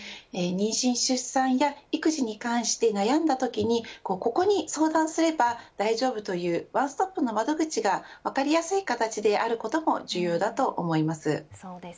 妊娠、出産や育児に関して悩んだときにここに相談すれば大丈夫というワンストップの窓口が分かりやすい形であることも重要だと思います。